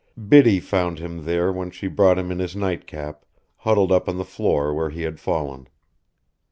Biddy found him there when she brought him in his nightcap, huddled up on the floor where he had fallen.